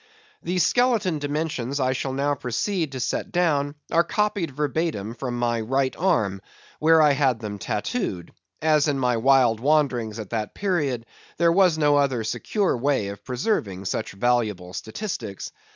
The skeleton dimensions I shall now proceed to set down are copied verbatim from my right arm, where I had them tattooed; as in my wild wanderings at that period, there was no other secure way of preserving such valuable statistics.